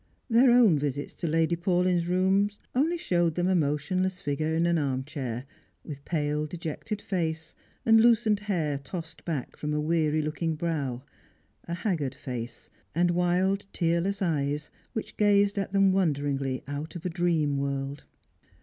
Their own visits to Lady Paulyn's rooms only showed them a motionless figure in an arm chair, with pale de jected face, and loosened hair tossed back from a weary looking brow ; a haggard face, and wild tearless eyes which gazed at them wonderingly out of a dream world.